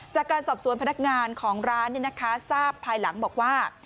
จากการสอบสวนพนักงานของร้านทราบภายหลังบอกว่า